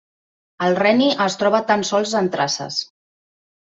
El reni es troba tan sols en traces.